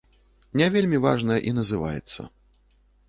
Не вельмі важна і называецца.